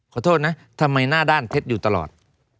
ขอโทษนะทำไมหน้าด้านเพชรอยู่ตลอด